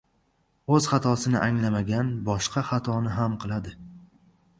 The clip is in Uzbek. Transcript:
• O‘z xatosini anglamagan boshqa xatoni ham qiladi.